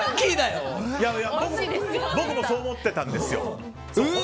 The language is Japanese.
僕もそう思ってたんですよ。